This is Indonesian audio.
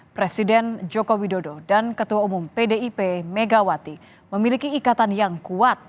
presiden joko widodo dan ketua umum pdip megawati memiliki ikatan yang kuat